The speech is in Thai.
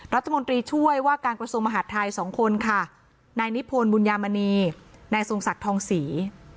รัฐมนตรีช่วยว่าการกระทรวงมหาดไทยสองคนค่ะนายนิพนธ์บุญยามณีนายทรงศักดิ์ทองศรี